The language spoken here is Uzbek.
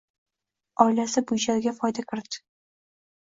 Oilasi byudjetiga foyda kirit